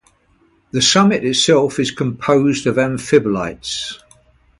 The summit itself is composed of amphibolites.